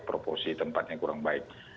proporsi tempatnya kurang baik